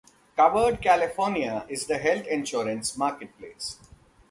Covered California is the health insurance marketplace.